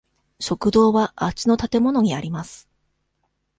食堂はあっちの建物にあります。